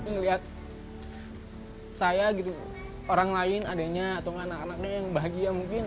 ngelihat saya gitu orang lain adanya atau anak anaknya yang bahagia mungkin